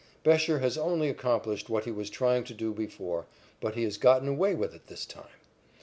Bescher has only accomplished what he was trying to do before, but he has gotten away with it this time.